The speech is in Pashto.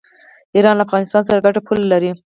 ایران له افغانستان سره ګډه پوله لري.